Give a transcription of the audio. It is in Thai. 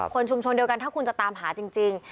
คนชุมชนเดียวกันถ้าคุณจะตามหาจริง